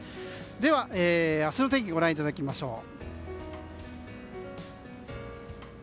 では、明日の天気をご覧いただきましょう。